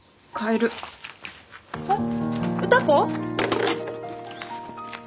えっ歌子？